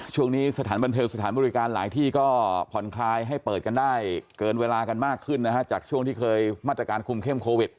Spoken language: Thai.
สถานบันเทิงสถานบริการหลายที่ก็ผ่อนคลายให้เปิดกันได้เกินเวลากันมากขึ้นนะฮะจากช่วงที่เคยมาตรการคุมเข้มโควิด